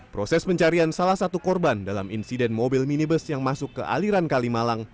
proses pencarian salah satu korban dalam insiden mobil minibus yang masuk ke aliran kalimalang